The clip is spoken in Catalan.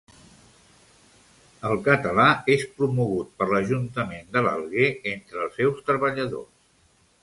El català és promogut per l'Ajuntament de l'Alguer entre els seus treballadors.